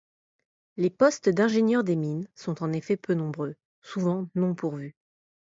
Les postes d'ingénieurs des mines sont en effet peu nombreux, souvent non pourvus.